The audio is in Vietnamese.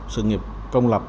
sự nghiệp công lập